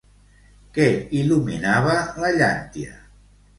Què il·luminava la llàntia?